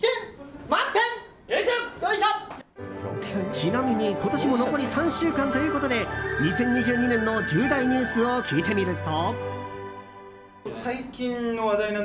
ちなみに今年も残り３週間ということで２０２２年の重大ニュースを聞いてみると。